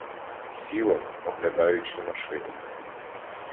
Сіла, оглядаючи машину.